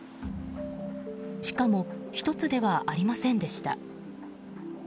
しかも１つではありませんでした。